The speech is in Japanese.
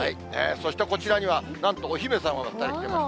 そしてこちらにはなんとお姫様が２人来てます。